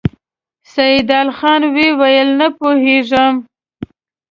سيدال خان وويل: نه پوهېږم!